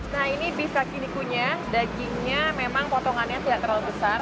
nah ini beef yakinikunya dagingnya memang potongannya tidak terlalu besar